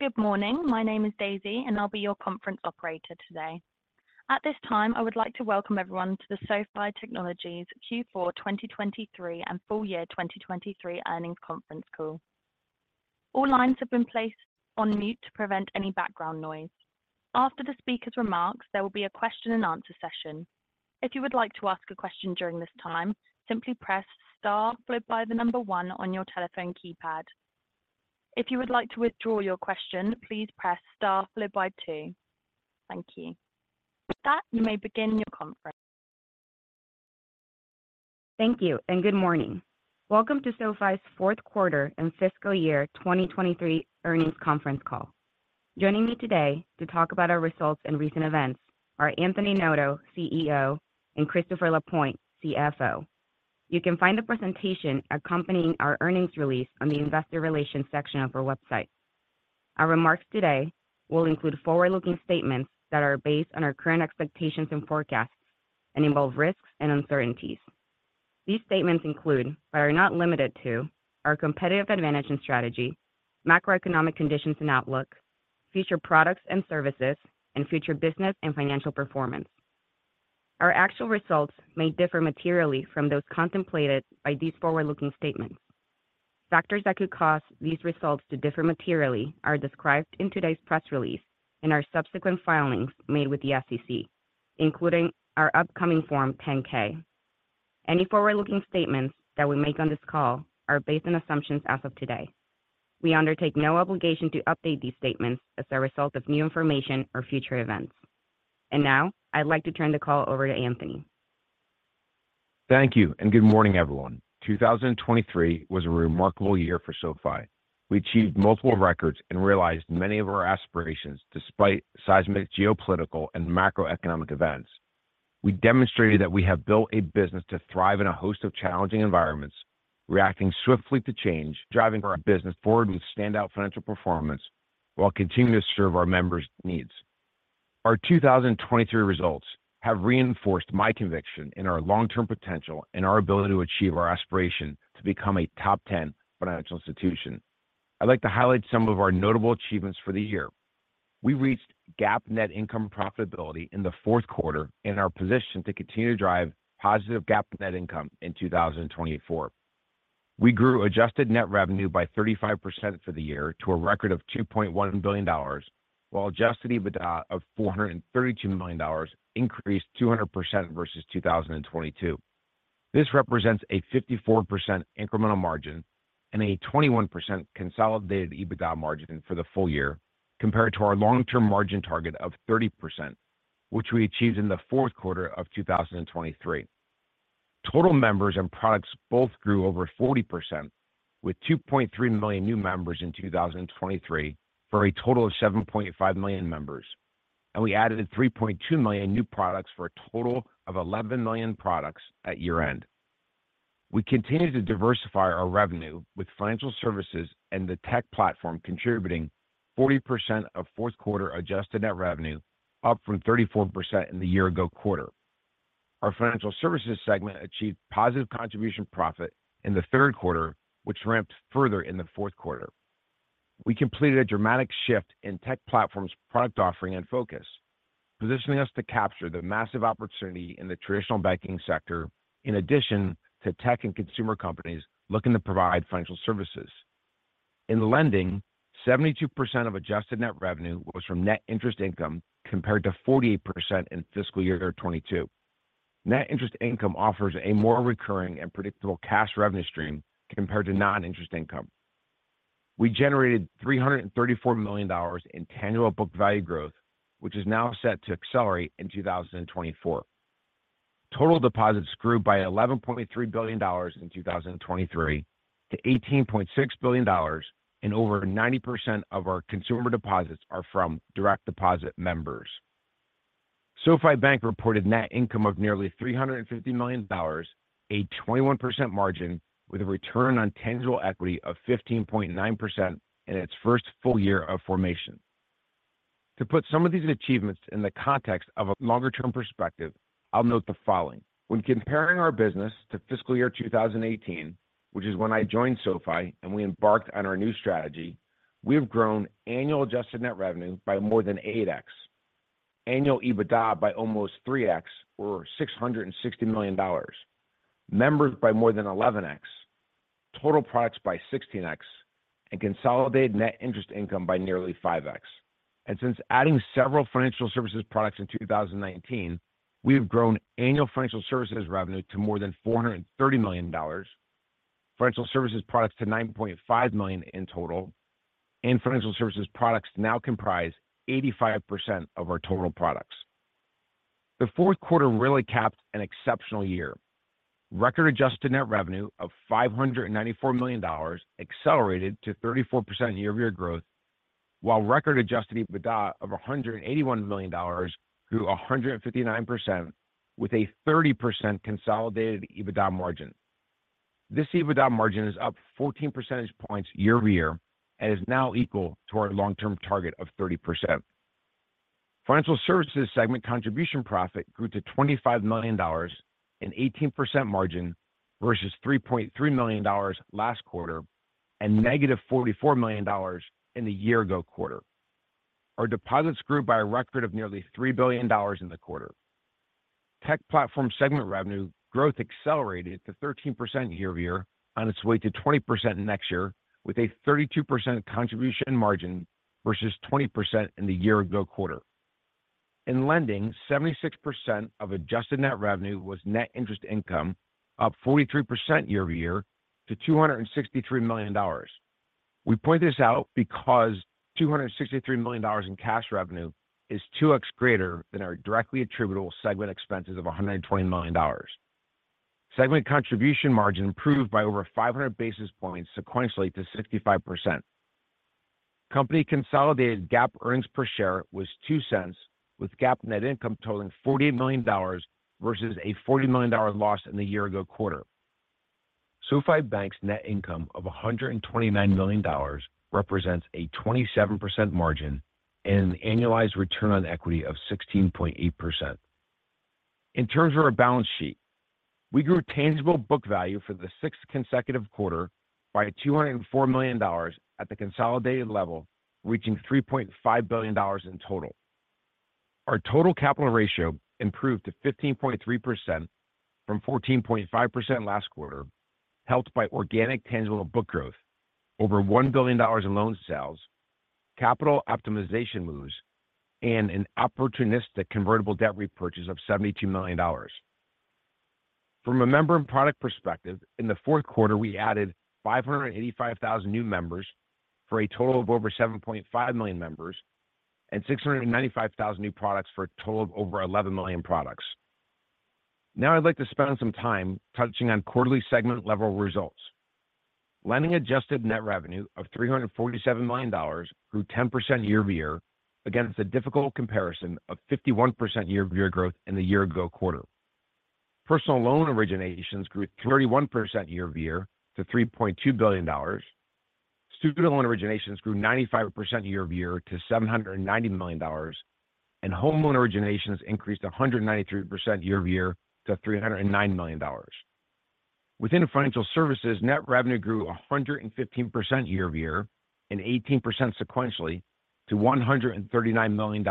Good morning, my name is Daisy and I'll be your conference operator today. At this time I would like to welcome everyone to the SoFi Technologies Q4 2023 and full year 2023 earnings conference call. All lines have been placed on mute to prevent any background noise. After the speaker's remarks there will be a question and answer session. If you would like to ask a question during this time simply press star followed by the number 1 on your telephone keypad. If you would like to withdraw your question please press star followed by 2. Thank you. With that you may begin your conference. Thank you and good morning. Welcome to SoFi's Q4 and fiscal year 2023 earnings conference call. Joining me today to talk about our results and recent events are Anthony Noto, CEO, and Chris Lapointe, CFO. You can find the presentation accompanying our earnings release on the investor relations section of our website. Our remarks today will include forward-looking statements that are based on our current expectations and forecasts and involve risks and uncertainties. These statements include, but are not limited to, our competitive advantage and strategy, macroeconomic conditions and outlook, future products and services, and future business and financial performance. Our actual results may differ materially from those contemplated by these forward-looking statements. Factors that could cause these results to differ materially are described in today's press release and our subsequent filings made with the SEC, including our upcoming Form 10-K. Any forward-looking statements that we make on this call are based on assumptions as of today. We undertake no obligation to update these statements as a result of new information or future events. Now I'd like to turn the call over to Anthony. Thank you and good morning everyone. 2023 was a remarkable year for SoFi. We achieved multiple records and realized many of our aspirations despite seismic, geopolitical, and macroeconomic events. We demonstrated that we have built a business to thrive in a host of challenging environments, reacting swiftly to change, driving our business forward with standout financial performance, while continuing to serve our members' needs. Our 2023 results have reinforced my conviction in our long-term potential and our ability to achieve our aspiration to become a top 10 financial institution. I'd like to highlight some of our notable achievements for the year. We reached GAAP net income profitability in the Q4 and are positioned to continue to drive positive GAAP net income in 2024. We grew adjusted net revenue by 35% for the year to a record of $2.1 billion, while adjusted EBITDA of $432 million increased 200% versus 2022. This represents a 54% incremental margin and a 21% consolidated EBITDA margin for the full year, compared to our long-term margin target of 30%, which we achieved in the Q4 of 2023. Total members and products both grew over 40%, with 2.3 million new members in 2023 for a total of 7.5 million members, and we added 3.2 million new products for a total of 11 million products at year-end. We continue to diversify our revenue with financial services and the tech platform contributing 40% of fourth-quarter adjusted net revenue, up from 34% in the year-ago quarter. Our financial services segment achieved positive contribution profit in the Q3, which ramped further in the Q4. We completed a dramatic shift in tech platforms' product offering and focus, positioning us to capture the massive opportunity in the traditional banking sector in addition to tech and consumer companies looking to provide financial services. In lending, 72% of adjusted net revenue was from net interest income compared to 48% in fiscal year 2022. Net interest income offers a more recurring and predictable cash revenue stream compared to non-interest income. We generated $334 million in annual book value growth, which is now set to accelerate in 2024. Total deposits grew by $11.3 billion in 2023 to $18.6 billion, and over 90% of our consumer deposits are from direct deposit members. SoFi Bank reported net income of nearly $350 million, a 21% margin, with a return on tangible equity of 15.9% in its first full year of formation. To put some of these achievements in the context of a longer-term perspective, I'll note the following. When comparing our business to fiscal year 2018, which is when I joined SoFi and we embarked on our new strategy, we have grown annual adjusted net revenue by more than 8x, annual EBITDA by almost 3x, or $660 million, members by more than 11x, total products by 16x, and consolidated net interest income by nearly 5x. And since adding several financial services products in 2019, we have grown annual financial services revenue to more than $430 million, financial services products to 9.5 million in total, and financial services products now comprise 85% of our total products. The Q4 really capped an exceptional year. Record adjusted net revenue of $594 million accelerated to 34% year-over-year growth, while record adjusted EBITDA of $181 million grew 159% with a 30% consolidated EBITDA margin. This EBITDA margin is up 14 percentage points year-over-year and is now equal to our long-term target of 30%. Financial Services segment Contribution Profit grew to $25 million in 18% margin versus $3.3 million last quarter and -$44 million in the year-ago quarter. Our deposits grew by a record of nearly $3 billion in the quarter. Tech Platform segment revenue growth accelerated to 13% year-over-year on its way to 20% next year with a 32% contribution margin versus 20% in the year-ago quarter. In Lending, 76% of adjusted net revenue was Net Interest Income, up 43% year-over-year to $263 million. We point this out because $263 million in cash revenue is 2x greater than our directly attributable segment expenses of $120 million. Segment contribution margin improved by over 500 basis points sequentially to 65%. company's consolidated GAAP earnings per share was $0.02, with GAAP net income totaling $48 million versus a $40 million loss in the year-ago quarter. SoFi Bank's net income of $129 million represents a 27% margin and an annualized return on equity of 16.8%. In terms of our balance sheet, we grew tangible book value for the sixth consecutive quarter by $204 million at the consolidated level, reaching $3.5 billion in total. Our total capital ratio improved to 15.3% from 14.5% last quarter, helped by organic tangible book growth, over $1 billion in loan sales, capital optimization moves, and an opportunistic convertible debt repurchase of $72 million. From a member and product perspective, in the Q4 we added 585,000 new members for a total of over 7.5 million members, and 695,000 new products for a total of over 11 million products. Now I'd like to spend some time touching on quarterly segment-level results. Lending adjusted net revenue of $347 million grew 10% year-over-year against a difficult comparison of 51% year-over-year growth in the year-ago quarter. Personal loan originations grew 31% year-over-year to $3.2 billion. Student loan originations grew 95% year-over-year to $790 million, and home loan originations increased 193% year-over-year to $309 million. Within financial services, net revenue grew 115% year-over-year and 18% sequentially to $139 million,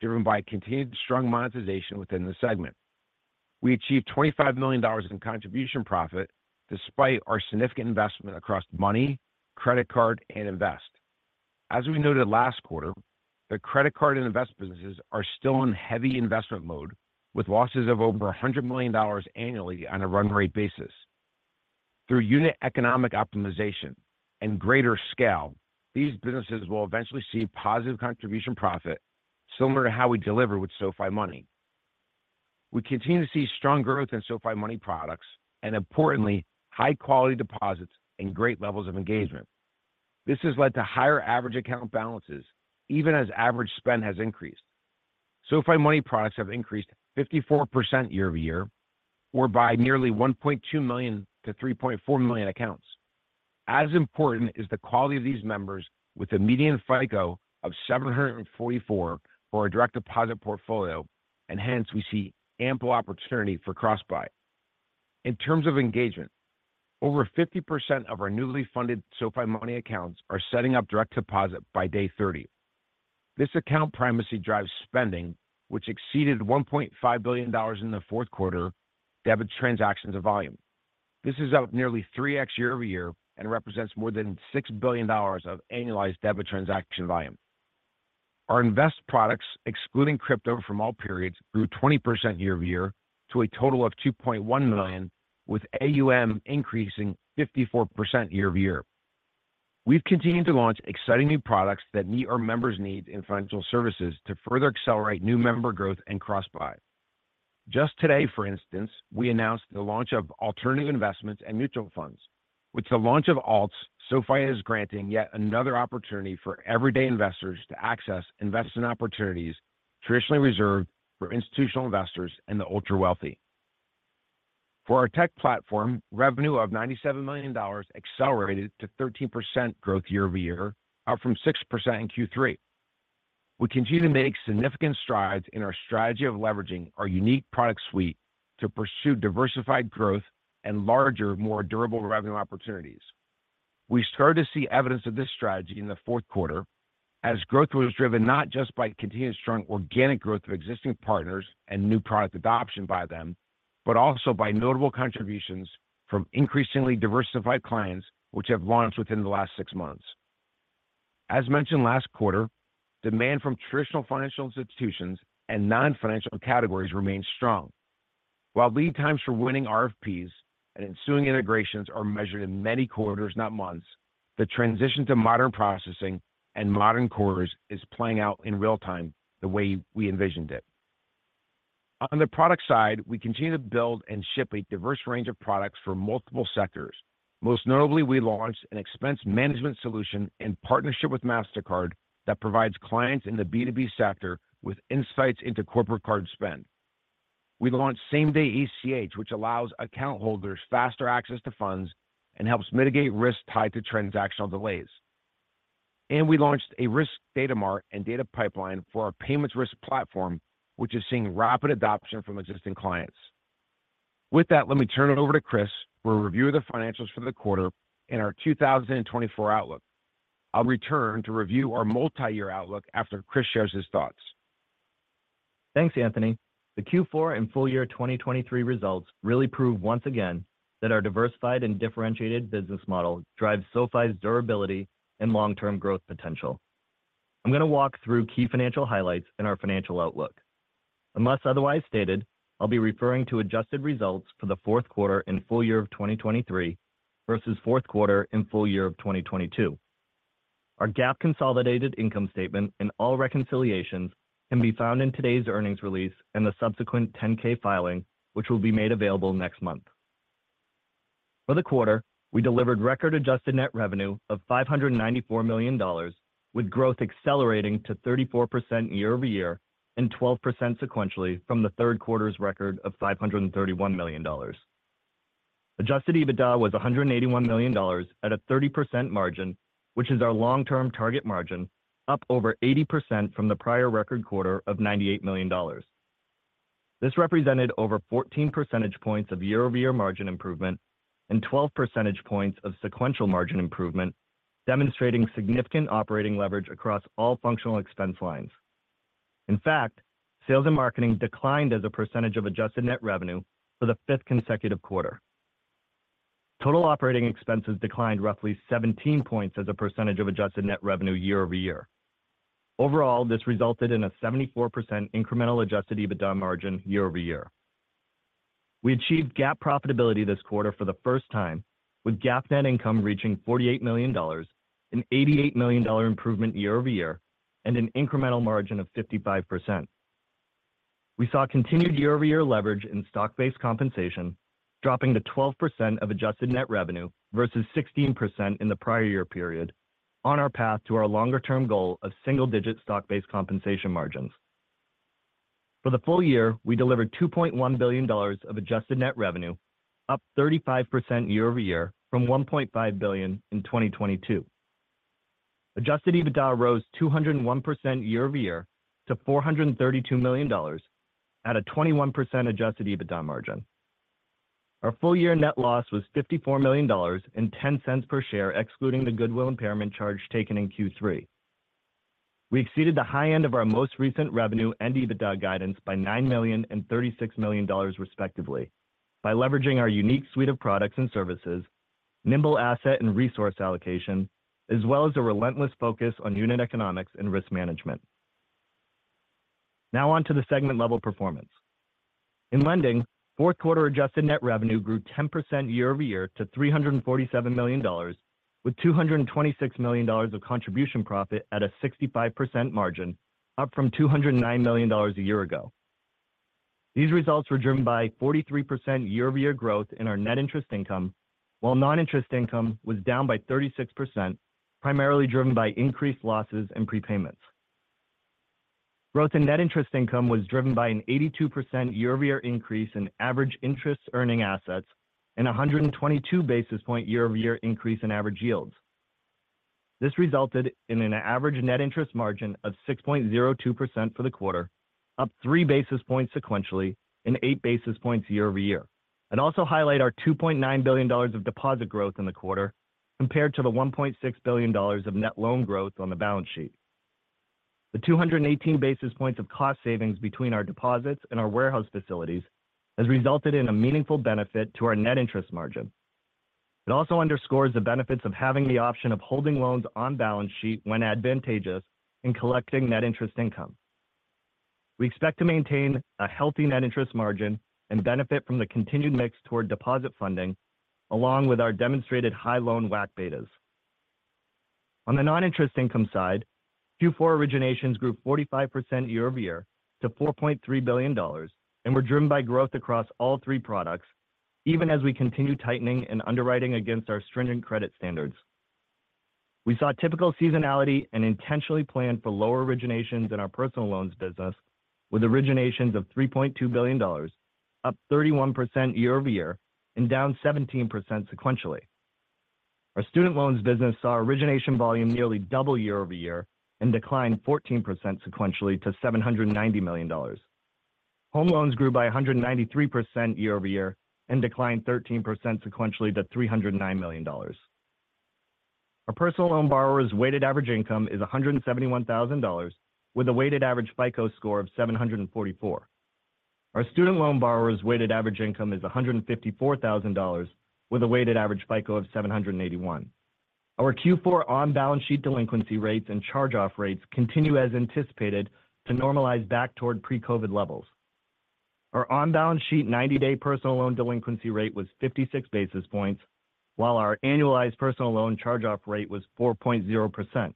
driven by continued strong monetization within the segment. We achieved $25 million in Contribution Profit despite our significant investment across Money, Credit Card, and Invest. As we noted last quarter, the credit card and investment businesses are still in heavy investment mode with losses of over $100 million annually on a run rate basis. Through unit economic optimization and greater scale, these businesses will eventually see positive Contribution Profit similar to how we deliver with SoFi Money. We continue to see strong growth in SoFi Money products and, importantly, high-quality deposits and great levels of engagement. This has led to higher average account balances even as average spend has increased. SoFi Money products have increased 54% year-over-year, or by nearly 1.2 million to 3.4 million accounts. As important is the quality of these members with a median FICO of 744 for our direct deposit portfolio, and hence we see ample opportunity for crossbuy. In terms of engagement, over 50% of our newly funded SoFi Money accounts are setting up direct deposit by day 30. This account primacy drives spending, which exceeded $1.5 billion in the Q4 debit transaction volume. This is up nearly 3x year-over-year and represents more than $6 billion of annualized debit transaction volume. Our Invest products, excluding crypto from all periods, grew 20% year-over-year to a total of $2.1 million, with AUM increasing 54% year-over-year. We've continued to launch exciting new products that meet our members' needs in financial services to further accelerate new member growth and crossbuy. Just today, for instance, we announced the launch of alternative investments and mutual funds. With the launch of alts, SoFi is granting yet another opportunity for everyday investors to access investment opportunities traditionally reserved for institutional investors and the ultra-wealthy. For our tech platform, revenue of $97 million accelerated to 13% growth year-over-year, up from 6% in Q3. We continue to make significant strides in our strategy of leveraging our unique product suite to pursue diversified growth and larger, more durable revenue opportunities. We started to see evidence of this strategy in the Q4, as growth was driven not just by continued strong organic growth of existing partners and new product adoption by them, but also by notable contributions from increasingly diversified clients which have launched within the last six months. As mentioned last quarter, demand from traditional financial institutions and non-financial categories remains strong. While lead times for winning RFPs and ensuing integrations are measured in many quarters, not months, the transition to modern processing and modern cores is playing out in real time the way we envisioned it. On the product side, we continue to build and ship a diverse range of products for multiple sectors. Most notably, we launched an expense management solution in partnership with Mastercard that provides clients in the B2B sector with insights into corporate card spend. We launched Same Day ACH, which allows account holders faster access to funds and helps mitigate risks tied to transactional delays. We launched a risk data mart and data pipeline for our Payments Risk Platform, which is seeing rapid adoption from existing clients. With that, let me turn it over to Chris, who will review the financials for the quarter and our 2024 outlook. I'll return to review our multi-year outlook after Chris shares his thoughts. Thanks, Anthony. The Q4 and full-year 2023 results really prove once again that our diversified and differentiated business model drives SoFi's durability and long-term growth potential. I'm going to walk through key financial highlights in our financial outlook. Unless otherwise stated, I'll be referring to adjusted results for the Q4 and full year of 2023 versus Q4 and full year of 2022. Our GAAP consolidated income statement and all reconciliations can be found in today's earnings release and the subsequent 10-K filing, which will be made available next month. For the quarter, we delivered record adjusted net revenue of $594 million, with growth accelerating to 34% year-over-year and 12% sequentially from the Q3's record of $531 million. Adjusted EBITDA was $181 million at a 30% margin, which is our long-term target margin, up over 80% from the prior record quarter of $98 million. This represented over 14 percentage points of year-over-year margin improvement and 12 percentage points of sequential margin improvement, demonstrating significant operating leverage across all functional expense lines. In fact, sales and marketing declined as a percentage of adjusted net revenue for the fifth consecutive quarter. Total operating expenses declined roughly 17 points as a percentage of adjusted net revenue year-over-year. Overall, this resulted in a 74% incremental adjusted EBITDA margin year-over-year. We achieved GAAP profitability this quarter for the first time, with GAAP net income reaching $48 million, an $88 million improvement year-over-year, and an incremental margin of 55%. We saw continued year-over-year leverage in stock-based compensation, dropping to 12% of adjusted net revenue versus 16% in the prior year period, on our path to our longer-term goal of single-digit stock-based compensation margins. For the full year, we delivered $2.1 billion of adjusted net revenue, up 35% year-over-year from $1.5 billion in 2022. Adjusted EBITDA rose 201% year-over-year to $432 million at a 21% adjusted EBITDA margin. Our full-year net loss was $54.10 per share, excluding the goodwill impairment charge taken in Q3. We exceeded the high end of our most recent revenue and EBITDA guidance by $9 million and $36 million, respectively, by leveraging our unique suite of products and services, nimble asset and resource allocation, as well as a relentless focus on unit economics and risk management. Now onto the segment-level performance. In lending, fourth-quarter adjusted net revenue grew 10% year-over-year to $347 million, with $226 million of contribution profit at a 65% margin, up from $209 million a year ago. These results were driven by 43% year-over-year growth in our net interest income, while non-interest income was down by 36%, primarily driven by increased losses and prepayments. Growth in net interest income was driven by an 82% year-over-year increase in average interest-earning assets and a 122 basis point year-over-year increase in average yields. This resulted in an average net interest margin of 6.02% for the quarter, up 3 basis points sequentially and 8 basis points year-over-year, and also highlight our $2.9 billion of deposit growth in the quarter compared to the $1.6 billion of net loan growth on the balance sheet. The 218 basis points of cost savings between our deposits and our warehouse facilities has resulted in a meaningful benefit to our net interest margin. It also underscores the benefits of having the option of holding loans on balance sheet when advantageous and collecting net interest income. We expect to maintain a healthy net interest margin and benefit from the continued mix toward deposit funding, along with our demonstrated high loan WAC betas. On the non-interest income side, Q4 originations grew 45% year-over-year to $4.3 billion and were driven by growth across all three products, even as we continue tightening and underwriting against our stringent credit standards. We saw typical seasonality and intentionally planned for lower originations in our personal loans business, with originations of $3.2 billion, up 31% year-over-year and down 17% sequentially. Our student loans business saw origination volume nearly double year-over-year and decline 14% sequentially to $790 million. Home loans grew by 193% year-over-year and decline 13% sequentially to $309 million. Our personal loan borrowers' weighted average income is $171,000, with a weighted average FICO score of 744. Our student loan borrowers' weighted average income is $154,000, with a weighted average FICO of 781. Our Q4 on-balance sheet delinquency rates and charge-off rates continue, as anticipated, to normalize back toward pre-COVID levels. Our on-balance sheet 90-day personal loan delinquency rate was 56 basis points, while our annualized personal loan charge-off rate was 4.0%.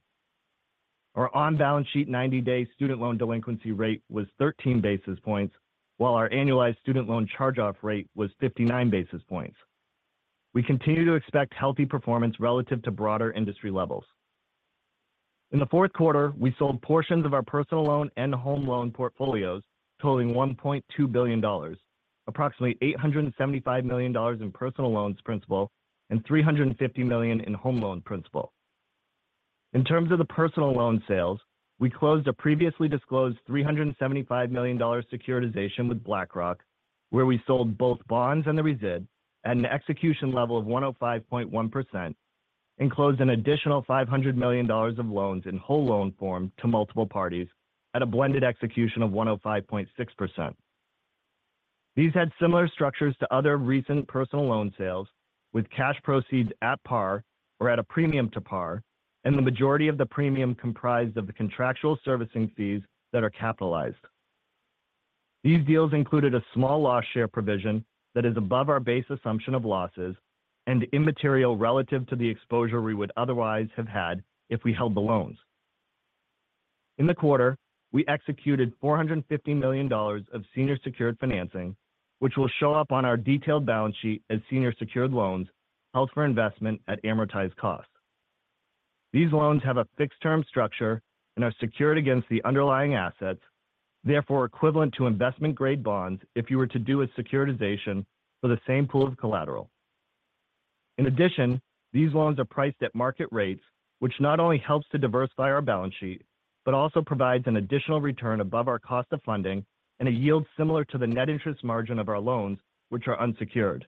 Our on-balance sheet 90-day student loan delinquency rate was 13 basis points, while our annualized student loan charge-off rate was 59 basis points. We continue to expect healthy performance relative to broader industry levels. In the Q4, we sold portions of our personal loan and home loan portfolios, totaling $1.2 billion, approximately $875 million in personal loans principal, and $350 million in home loan principal. In terms of the personal loan sales, we closed a previously disclosed $375 million securitization with BlackRock, where we sold both bonds and the resid at an execution level of 105.1% and closed an additional $500 million of loans in whole loan form to multiple parties at a blended execution of 105.6%. These had similar structures to other recent personal loan sales, with cash proceeds at par or at a premium to par, and the majority of the premium comprised of the contractual servicing fees that are capitalized. These deals included a small loss share provision that is above our base assumption of losses and immaterial relative to the exposure we would otherwise have had if we held the loans. In the quarter, we executed $450 million of senior secured financing, which will show up on our detailed balance sheet as senior secured loans held for investment at amortized cost. These loans have a fixed-term structure and are secured against the underlying assets, therefore equivalent to investment-grade bonds if you were to do a securitization for the same pool of collateral. In addition, these loans are priced at market rates, which not only helps to diversify our balance sheet but also provides an additional return above our cost of funding and a yield similar to the net interest margin of our loans, which are unsecured.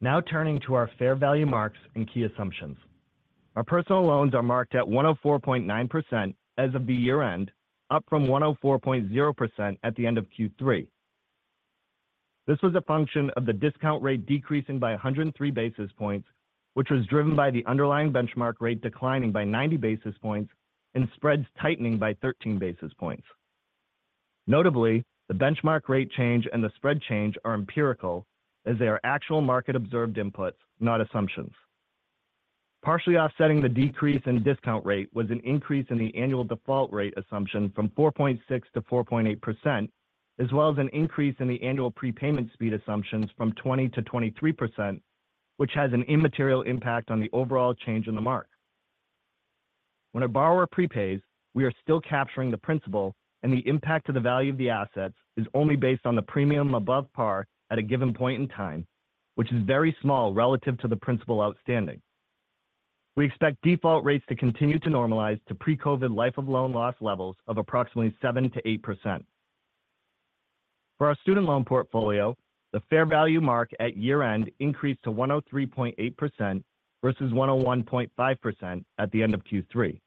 Now turning to our fair value marks and key assumptions. Our personal loans are marked at 104.9% as of the year-end, up from 104.0% at the end of Q3. This was a function of the discount rate decreasing by 103 basis points, which was driven by the underlying benchmark rate declining by 90 basis points and spreads tightening by 13 basis points. Notably, the benchmark rate change and the spread change are empirical, as they are actual market-observed inputs, not assumptions. Partially offsetting the decrease in discount rate was an increase in the annual default rate assumption from 4.6%-4.8%, as well as an increase in the annual prepayment speed assumptions from 20%-23%, which has an immaterial impact on the overall change in the mark. When a borrower prepays, we are still capturing the principal, and the impact to the value of the assets is only based on the premium above par at a given point in time, which is very small relative to the principal outstanding. We expect default rates to continue to normalize to pre-COVID life-of-loan loss levels of approximately 7%-8%. For our student loan portfolio, the fair value mark at year-end increased to 103.8% versus 101.5% at the end of Q3.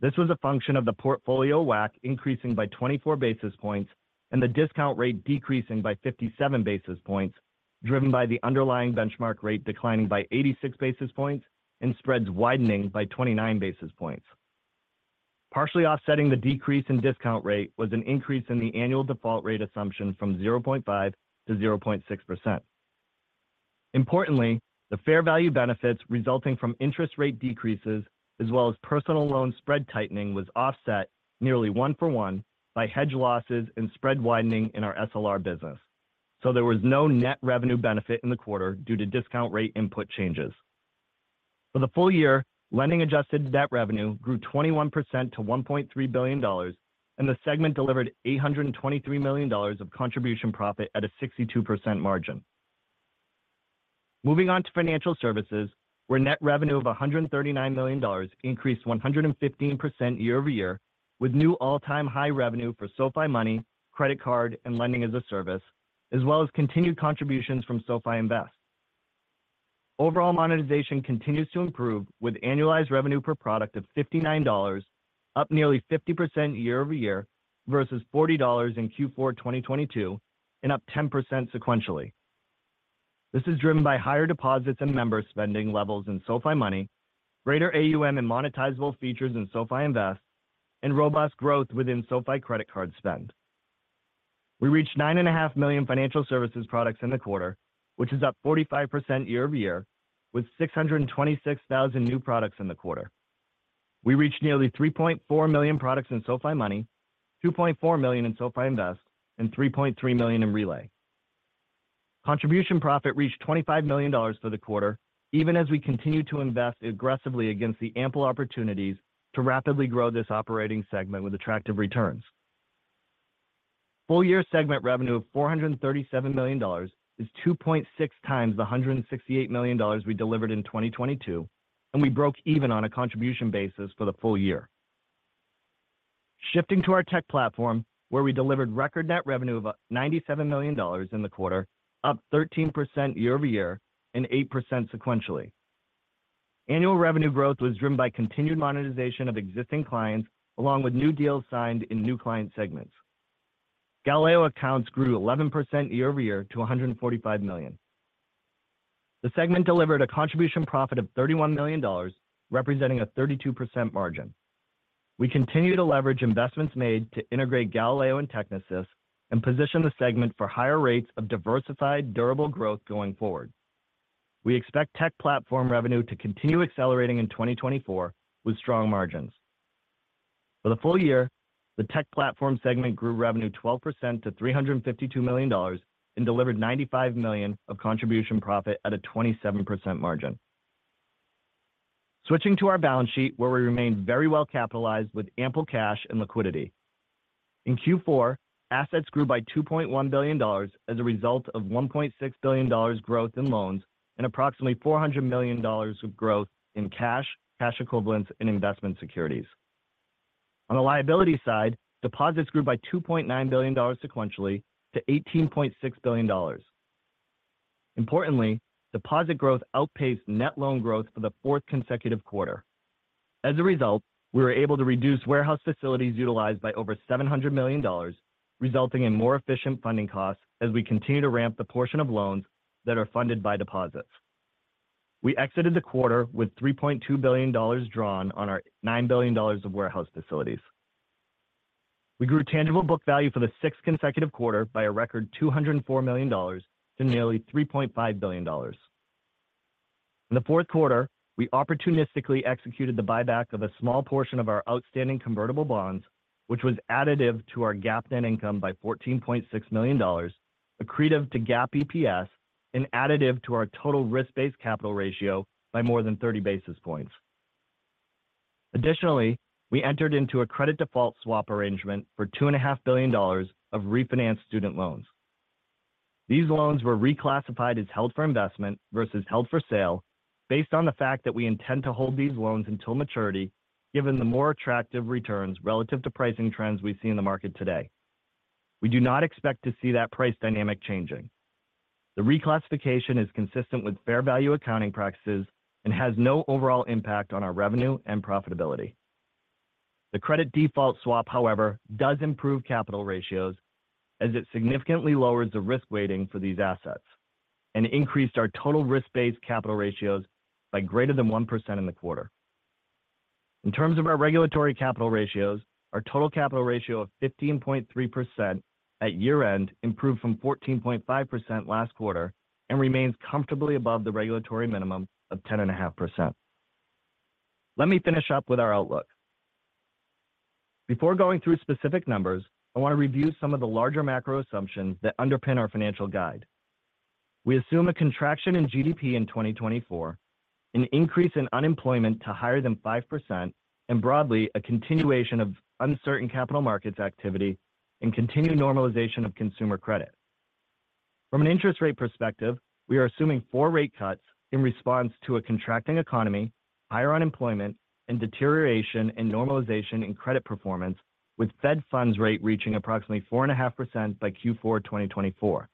This was a function of the portfolio WACC increasing by 24 basis points and the discount rate decreasing by 57 basis points, driven by the underlying benchmark rate declining by 86 basis points and spreads widening by 29 basis points. Partially offsetting the decrease in discount rate was an increase in the annual default rate assumption from 0.5% to 0.6%. Importantly, the fair value benefits resulting from interest rate decreases, as well as personal loan spread tightening, were offset nearly one-for-one by hedge losses and spread widening in our SLR business, so there was no net revenue benefit in the quarter due to discount rate input changes. For the full year, lending-adjusted net revenue grew 21% to $1.3 billion, and the segment delivered $823 million of contribution profit at a 62% margin. Moving on to financial services, where net revenue of $139 million increased 115% year-over-year, with new all-time high revenue for SoFi Money, credit card, and lending as a service, as well as continued contributions from SoFi Invest. Overall monetization continues to improve, with annualized revenue per product of $59, up nearly 50% year-over-year versus $40 in Q4 2022 and up 10% sequentially. This is driven by higher deposits and member spending levels in SoFi Money, greater AUM and monetizable features in SoFi Invest, and robust growth within SoFi Credit Card spend. We reached 9.5 million financial services products in the quarter, which is up 45% year-over-year, with 626,000 new products in the quarter. We reached nearly 3.4 million products in SoFi Money, 2.4 million in SoFi Invest, and 3.3 million in Relay. Contribution profit reached $25 million for the quarter, even as we continue to invest aggressively against the ample opportunities to rapidly grow this operating segment with attractive returns. Full-year segment revenue of $437 million is 2.6 times the $168 million we delivered in 2022, and we broke even on a contribution basis for the full year. Shifting to our tech platform, where we delivered record net revenue of $97 million in the quarter, up 13% year-over-year and 8% sequentially. Annual revenue growth was driven by continued monetization of existing clients, along with new deals signed in new client segments. Galileo accounts grew 11% year-over-year to $145 million. The segment delivered a contribution profit of $31 million, representing a 32% margin. We continue to leverage investments made to integrate Galileo and Technisys and position the segment for higher rates of diversified, durable growth going forward. We expect tech platform revenue to continue accelerating in 2024 with strong margins. For the full year, the tech platform segment grew revenue 12% to $352 million and delivered $95 million of contribution profit at a 27% margin. Switching to our balance sheet, where we remain very well capitalized with ample cash and liquidity. In Q4, assets grew by $2.1 billion as a result of $1.6 billion growth in loans and approximately $400 million of growth in cash, cash equivalents, and investment securities. On the liability side, deposits grew by $2.9 billion sequentially to $18.6 billion. Importantly, deposit growth outpaced net loan growth for the fourth consecutive quarter. As a result, we were able to reduce warehouse facilities utilized by over $700 million, resulting in more efficient funding costs as we continue to ramp the portion of loans that are funded by deposits. We exited the quarter with $3.2 billion drawn on our $9 billion of warehouse facilities. We grew tangible book value for the sixth consecutive quarter by a record $204 million to nearly $3.5 billion. In the Q4, we opportunistically executed the buyback of a small portion of our outstanding convertible bonds, which was additive to our GAAP net income by $14.6 million, accretive to GAAP EPS, and additive to our total risk-based capital ratio by more than 30 basis points. Additionally, we entered into a credit default swap arrangement for $2.5 billion of refinanced student loans. These loans were reclassified as held for investment versus held for sale, based on the fact that we intend to hold these loans until maturity, given the more attractive returns relative to pricing trends we see in the market today. We do not expect to see that price dynamic changing. The reclassification is consistent with fair value accounting practices and has no overall impact on our revenue and profitability. The Credit Default Swap, however, does improve capital ratios, as it significantly lowers the risk weighting for these assets and increased our total risk-based capital ratios by greater than 1% in the quarter. In terms of our regulatory capital ratios, our total capital ratio of 15.3% at year-end improved from 14.5% last quarter and remains comfortably above the regulatory minimum of 10.5%. Let me finish up with our outlook. Before going through specific numbers, I want to review some of the larger macro assumptions that underpin our financial guide. We assume a contraction in GDP in 2024, an increase in unemployment to higher than 5%, and broadly a continuation of uncertain capital markets activity and continued normalization of consumer credit. From an interest rate perspective, we are assuming 4 rate cuts in response to a contracting economy, higher unemployment, and deterioration in normalization in credit performance, with Fed funds rate reaching approximately 4.5% by Q4 2024.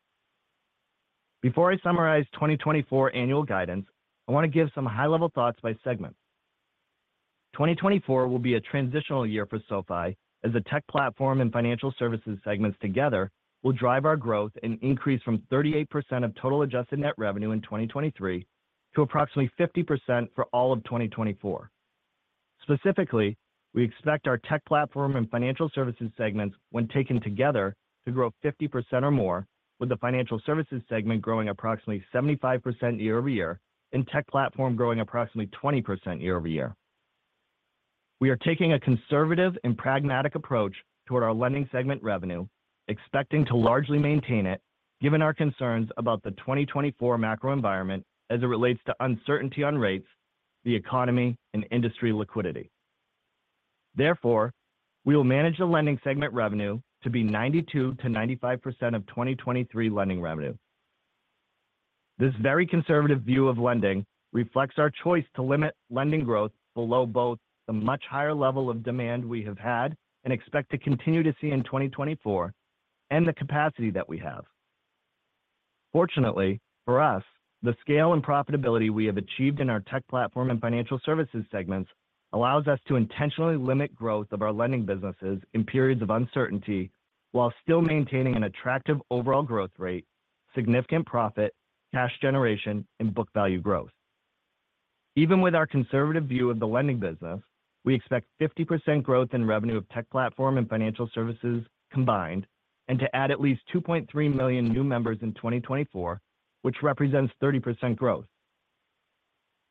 Before I summarize 2024 annual guidance, I want to give some high-level thoughts by segment. 2024 will be a transitional year for SoFi, as the tech platform and financial services segments together will drive our growth and increase from 38% of total adjusted net revenue in 2023 to approximately 50% for all of 2024. Specifically, we expect our tech platform and financial services segments, when taken together, to grow 50% or more, with the financial services segment growing approximately 75% year-over-year and tech platform growing approximately 20% year-over-year. We are taking a conservative and pragmatic approach toward our lending segment revenue, expecting to largely maintain it given our concerns about the 2024 macro environment as it relates to uncertainty on rates, the economy, and industry liquidity. Therefore, we will manage the lending segment revenue to be 92%-95% of 2023 lending revenue. This very conservative view of lending reflects our choice to limit lending growth below both the much higher level of demand we have had and expect to continue to see in 2024 and the capacity that we have. Fortunately for us, the scale and profitability we have achieved in our tech platform and financial services segments allows us to intentionally limit growth of our lending businesses in periods of uncertainty while still maintaining an attractive overall growth rate, significant profit, cash generation, and book value growth. Even with our conservative view of the lending business, we expect 50% growth in revenue of tech platform and financial services combined and to add at least 2.3 million new members in 2024, which represents 30% growth.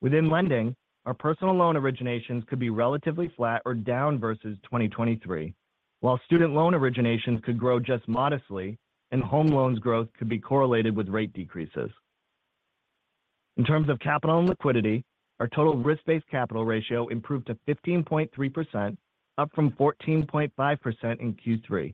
Within lending, our personal loan originations could be relatively flat or down versus 2023, while student loan originations could grow just modestly and home loans growth could be correlated with rate decreases. In terms of capital and liquidity, our total risk-based capital ratio improved to 15.3%, up from 14.5% in Q3,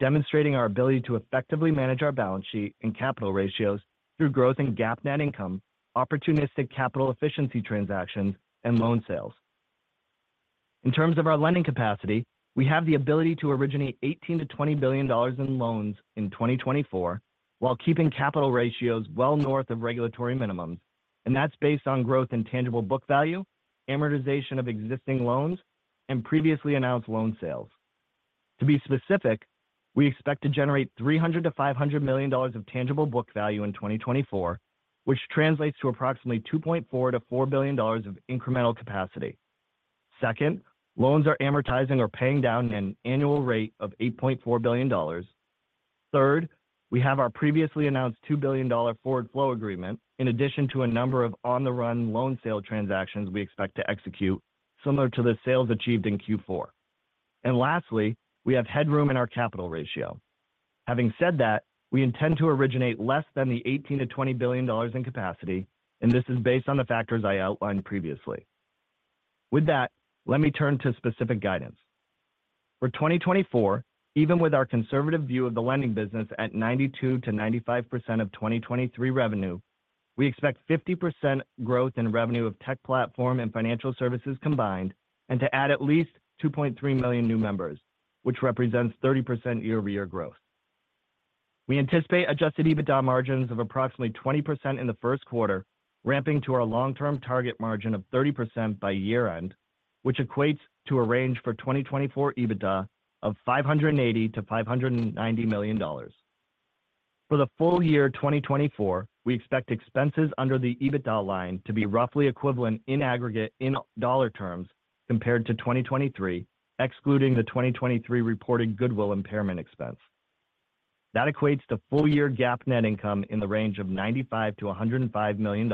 demonstrating our ability to effectively manage our balance sheet and capital ratios through growth in GAAP net income, opportunistic capital efficiency transactions, and loan sales. In terms of our lending capacity, we have the ability to originate $18-$20 billion in loans in 2024 while keeping capital ratios well north of regulatory minimums, and that's based on growth in Tangible Book Value, amortization of existing loans, and previously announced loan sales. To be specific, we expect to generate $300-$500 million of Tangible Book Value in 2024, which translates to approximately $2.4-$4 billion of incremental capacity. Second, loans are amortizing or paying down at an annual rate of $8.4 billion. Third, we have our previously announced $2 billion Forward Flow Agreement in addition to a number of on-the-run loan sale transactions we expect to execute, similar to the sales achieved in Q4. And lastly, we have headroom in our capital ratio. Having said that, we intend to originate less than the $18-$20 billion in capacity, and this is based on the factors I outlined previously. With that, let me turn to specific guidance. For 2024, even with our conservative view of the lending business at 92%-95% of 2023 revenue, we expect 50% growth in revenue of tech platform and financial services combined and to add at least 2.3 million new members, which represents 30% year-over-year growth. We anticipate adjusted EBITDA margins of approximately 20% in the Q1, ramping to our long-term target margin of 30% by year-end, which equates to a range for 2024 EBITDA of $580-$590 million. For the full year 2024, we expect expenses under the EBITDA line to be roughly equivalent in aggregate in dollar terms compared to 2023, excluding the 2023 reported goodwill impairment expense. That equates to full-year GAAP net income in the range of $95-$105 million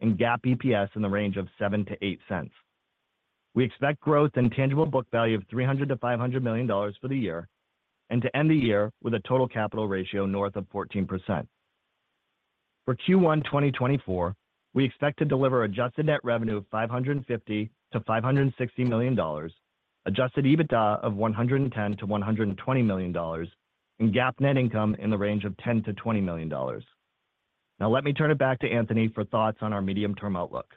and GAAP EPS in the range of $0.07-$0.08. We expect growth in tangible book value of $300-$500 million for the year and to end the year with a total capital ratio north of 14%. For Q1 2024, we expect to deliver adjusted net revenue of $550-$560 million, adjusted EBITDA of $110-$120 million, and GAAP net income in the range of $10-$20 million. Now let me turn it back to Anthony for thoughts on our medium-term outlook.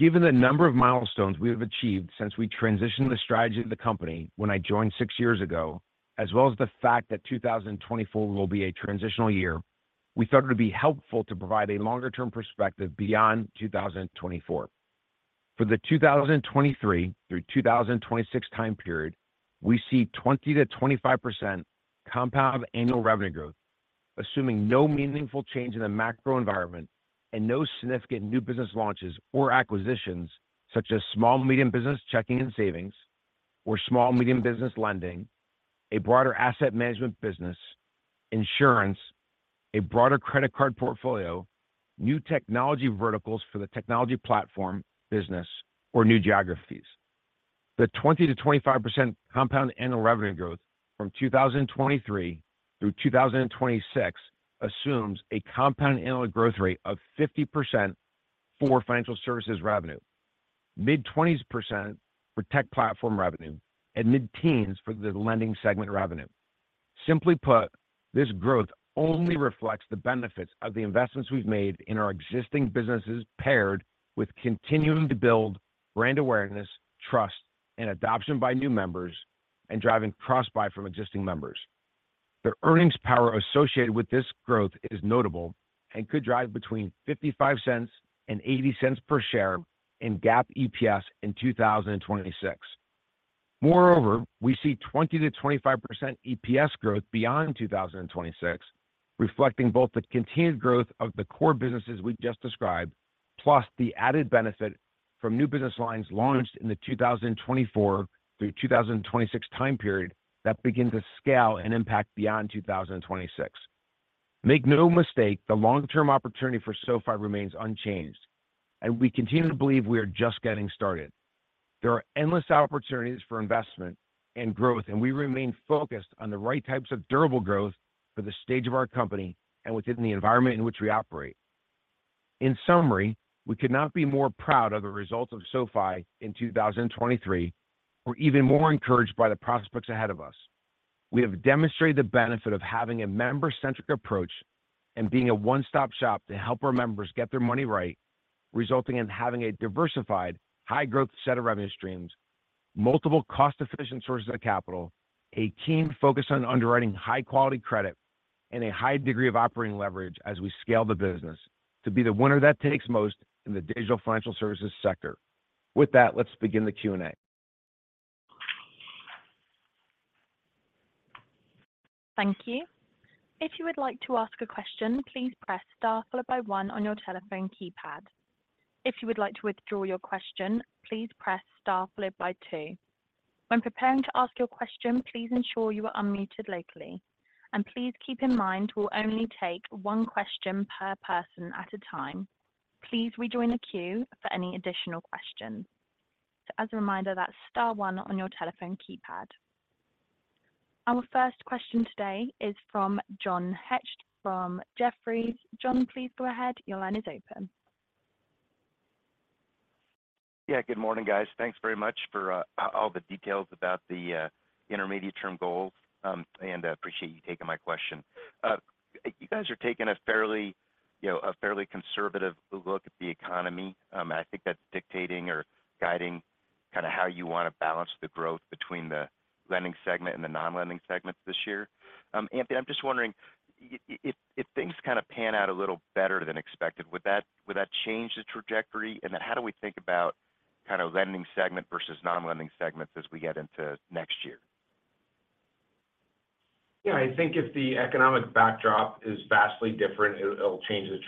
Given the number of milestones we have achieved since we transitioned the strategy of the company when I joined six years ago, as well as the fact that 2024 will be a transitional year, we thought it would be helpful to provide a longer-term perspective beyond 2024. For the 2023 through 2026 time period, we see 20%-25% compound annual revenue growth, assuming no meaningful change in the macro environment and no significant new business launches or acquisitions such as small-medium business checking and savings, or small-medium business lending, a broader asset management business, insurance, a broader credit card portfolio, new technology verticals for the technology platform business, or new geographies. The 20%-25% compound annual revenue growth from 2023 through 2026 assumes a compound annual growth rate of 50% for financial services revenue, mid-20s% for tech platform revenue, and mid-teens% for the lending segment revenue. Simply put, this growth only reflects the benefits of the investments we've made in our existing businesses paired with continuing to build brand awareness, trust, and adoption by new members, and driving cross-buy from existing members. The earnings power associated with this growth is notable and could drive between $0.55-$0.80 per share in GAAP EPS in 2026. Moreover, we see 20%-25% EPS growth beyond 2026, reflecting both the continued growth of the core businesses we just described, plus the added benefit from new business lines launched in the 2024 through 2026 time period that begin to scale and impact beyond 2026. Make no mistake, the long-term opportunity for SoFi remains unchanged, and we continue to believe we are just getting started. There are endless opportunities for investment and growth, and we remain focused on the right types of durable growth for the stage of our company and within the environment in which we operate. In summary, we could not be more proud of the results of SoFi in 2023, or even more encouraged by the prospects ahead of us. We have demonstrated the benefit of having a member-centric approach and being a one-stop shop to help our members get their money right, resulting in having a diversified, high-growth set of revenue streams, multiple cost-efficient sources of capital, a keen focus on underwriting high-quality credit, and a high degree of operating leverage as we scale the business to be the winner that takes most in the digital financial services sector. With that, let's begin the Q&A. Thank you. If you would like to ask a question, please press star followed by one on your telephone keypad. If you would like to withdraw your question, please press star followed by two. When preparing to ask your question, please ensure you are unmuted locally. And please keep in mind we'll only take one question per person at a time. Please rejoin the queue for any additional questions. So as a reminder, that's star one on your telephone keypad. Our first question today is from John Hecht from Jefferies. John, please go ahead. Your line is open. Yeah, good morning, guys. Thanks very much for all the details about the intermediate-term goals, and I appreciate you taking my question. You guys are taking a fairly conservative look at the economy. I think that's dictating or guiding kind of how you want to balance the growth between the lending segment and the non-lending segment this year. Anthony, I'm just wondering, if things kind of pan out a little better than expected, would that change the trajectory? And then how do we think about kind of lending segment versus non-lending segments as we get into next year? Yeah, I think if the economic backdrop is vastly different, it'll change the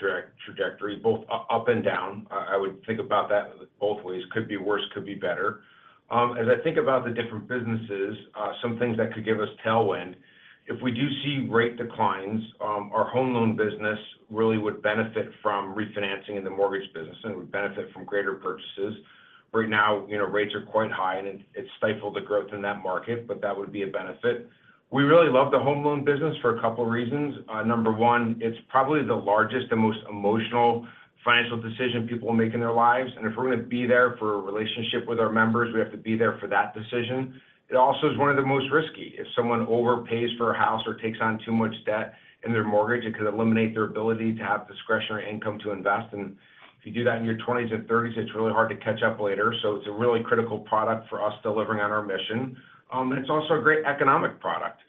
trajectory, both up and down. I would think about that both ways. Could be worse, could be better. As I think about the different businesses, some things that could give us tailwind. If we do see rate declines, our home loan business really would benefit from refinancing in the mortgage business and would benefit from greater purchases. Right now, rates are quite high, and it's stifled the growth in that market, but that would be a benefit. We really love the home loan business for a couple of reasons. Number one, it's probably the largest and most emotional financial decision people make in their lives. If we're going to be there for a relationship with our members, we have to be there for that decision. It also is one of the most risky. If someone overpays for a house or takes on too much debt in their mortgage, it could eliminate their ability to have discretionary income to invest. And if you do that in your 20s and 30s, it's really hard to catch up later. So it's a really critical product for us delivering on our mission. It's also a great economic product.